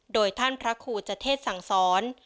โดยท่านพระครูจเทศสั่งสอน